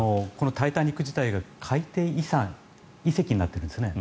「タイタニック」自体が海底遺跡になっているんですね。